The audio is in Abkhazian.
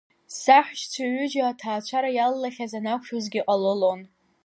Саҳәшьцәа ҩыџьа аҭаацәара иалалахьаз анақәшәозгьы ҟалалон.